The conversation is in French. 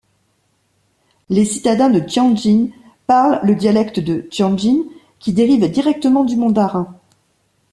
Les citadins de Tianjin parlent le dialecte de Tianjin, qui dérive directement du mandarin.